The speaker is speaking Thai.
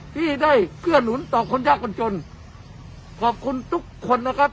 ที่ได้เกื้อหนุนต่อคนยากคนจนขอบคุณทุกคนนะครับ